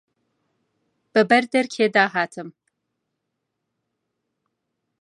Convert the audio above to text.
بە بەر دەرکێ دا هاتم